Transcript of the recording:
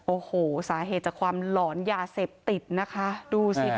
โอ้โหสาเหตุจากความหลอนยาเสพติดนะคะดูสิค่ะ